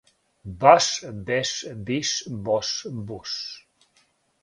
баш, беш, биш, бош. буш.